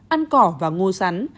ăn cỏ và ngô sắn